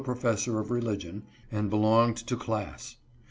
professor of religion, and belonged to class.